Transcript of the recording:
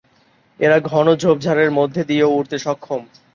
এরা ঘন ঝোপ-ঝাড়ের মধ্যে দিয়েও উড়তে সক্ষম।